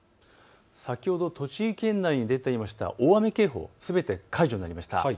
先ほど栃木県内に出ていました大雨警報、すべて解除になりました。